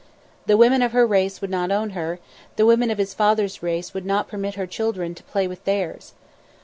The women of her race would not own her, the women of his father's race would not permit her children to play with theirs.